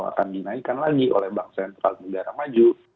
akan dinaikkan lagi oleh bank sentral negara maju